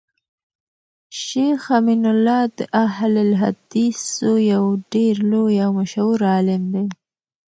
شيخ امین الله د اهل الحديثو يو ډير لوی او مشهور عالم دی